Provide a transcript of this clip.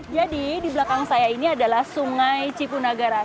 jadi di belakang saya ini adalah sungai cipunagara